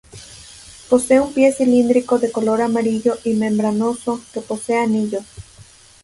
Posee un pie cilíndrico de color amarillo y membranoso, que posee anillo.